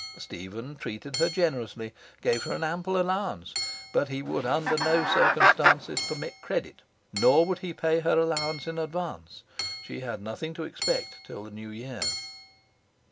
Stephen treated her generously, gave her an ample allowance, but he would under no circumstances permit credit, nor would he pay her allowance in advance. She had nothing to expect till the New Year.